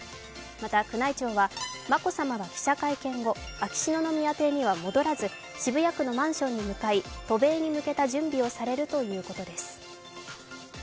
また宮内庁は、眞子さまは記者会見後、秋篠宮邸には戻らず渋谷区のマンションに向かい、渡米に向けた準備をされるということです。